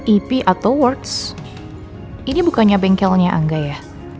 ipi atau words ini bukannya bengkelnya angga ya